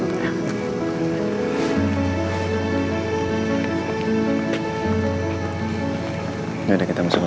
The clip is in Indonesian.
waalaikumsalam warahmatullahi wabarakatuh